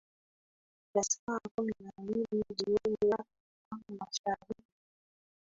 ya saa kumi na mbili jioni afrika mashariki